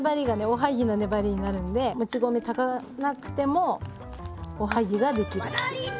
おはぎの粘りになるんでもち米炊かなくてもおはぎが出来るっていう。